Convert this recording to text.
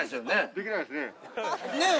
できないですね。ねぇ！